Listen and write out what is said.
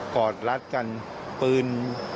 อดรัดกันปืน